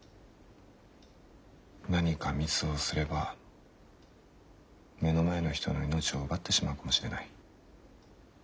何かミスをすれば目の前の人の命を奪ってしまうかもしれない。